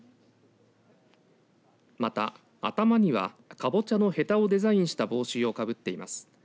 また、頭にはかぼちゃのへたをデザインした帽子をかぶっています。